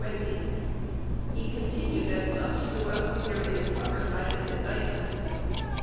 He continued as such throughout the period covered by this Indictment.